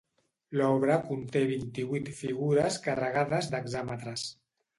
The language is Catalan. L'obra conté vint-i-vuit figures carregades d'hexàmetres.